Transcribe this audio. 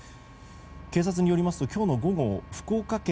警察によりますと今日の午後、福岡県